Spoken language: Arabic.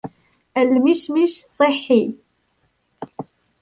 المشمش صحي